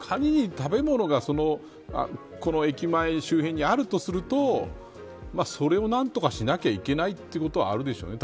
食べ物がこの駅前周辺にあるとするとそれを何とかしなきゃいけないということはあるでしょうね。